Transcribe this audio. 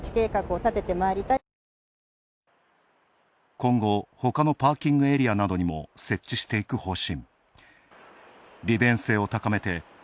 今後、ほかのパーキングエリアなどにも設置していく方針。